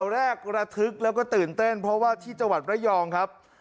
แรกระทึกแล้วก็ตื่นเต้นเพราะว่าที่จังหวัดระยองครับ